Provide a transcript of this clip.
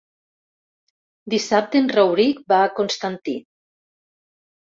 Dissabte en Rauric va a Constantí.